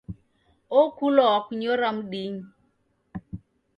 Okulwa wakunyora mdinyi